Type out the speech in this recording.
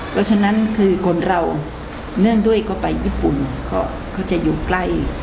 เพราะฉะนั้นคือคนเราเนื่องด้วยก็ไปญี่ปุ่นก็จะอยู่ใกล้